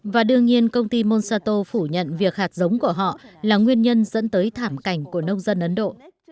và đương nhiên công ty monsato phủ nhận việc hạt giống của họ là nguyên nhân dẫn tới thảm cảnh của nông dân ấn độ